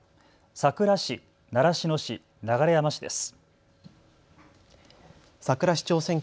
佐倉市、習志野市、流山市です。